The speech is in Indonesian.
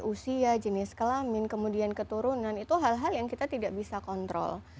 usia jenis kelamin kemudian keturunan itu hal hal yang kita tidak bisa kontrol